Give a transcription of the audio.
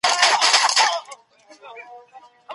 د کورنیو او ښوونځیو ترمنځ اړیکي څنګه ساتل کیږي؟